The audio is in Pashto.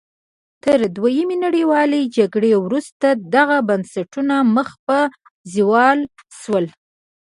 تر دویمې نړیوالې جګړې وروسته دغه بنسټونه مخ په زوال شول.